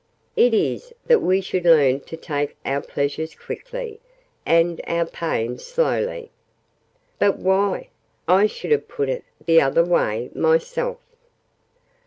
"It is, that we should learn to take our pleasures quickly, and our pains slowly." "But why? I should have put it the other way, myself."